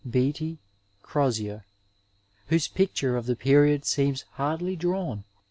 Beattie Crosier, whoee picture of the period seems hardly drawn.